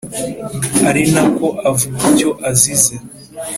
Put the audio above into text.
ari na ko avuga icyo azize;